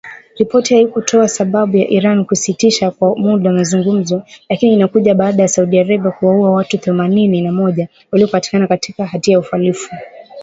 Ripoti haikutoa sababu ya Iran kusitisha kwa muda mazungumzo, lakini inakuja baada ya Saudi Arabia kuwaua watu themanini na moja waliopatikana na hatia ya uhalifu .